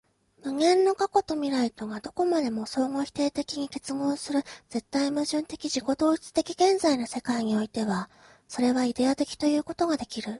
無限の過去と未来とがどこまでも相互否定的に結合する絶対矛盾的自己同一的現在の世界においては、それはイデヤ的ということができる。